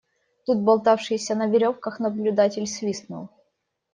Тут болтавшийся на веревках наблюдатель свистнул.